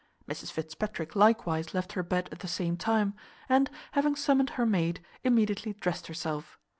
Mrs Fitzpatrick likewise left her bed at the same time; and, having summoned her maid, immediately dressed herself.